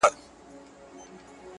• لا به دي غوغا د حسن پورته سي کشمیره,